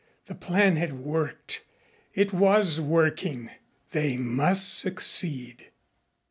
The plan had worked. It was working. They must succeed.